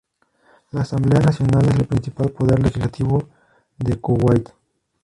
La Asamblea Nacional es el principal poder legislativo de Kuwait.